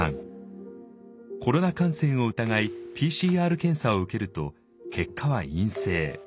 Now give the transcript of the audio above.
コロナ感染を疑いＰＣＲ検査を受けると結果は陰性。